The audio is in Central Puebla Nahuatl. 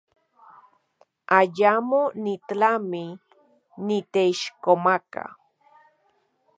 Ayamo nitlami niteixkomaka.